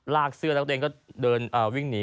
ลากเสื้อแล้วก็เดินวิ่งหนี